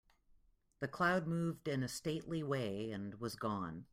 The cloud moved in a stately way and was gone.